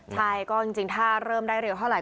ใช่ก็จริงถ้าเริ่มได้เร็วเท่าไห